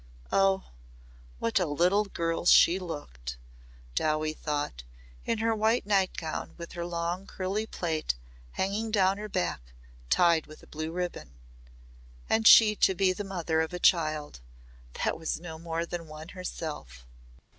Oh! What a little girl she looked, Dowie thought, in her white night gown with her long curly plait hanging down her back tied with a blue ribbon! And she to be the mother of a child that was no more than one herself!